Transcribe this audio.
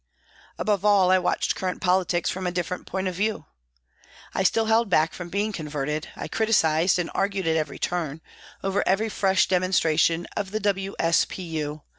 Above all, I watched current politics from a different point 15 of view. I still held back from being converted, I criticised and argued at every turn, over every fresh demonstration of the W.S.P.U.